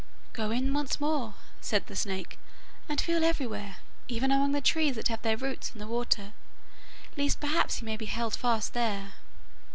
'Go in once more,' said the snake, 'and feel everywhere, even among the trees that have their roots in the water, lest perhaps he may be held fast there.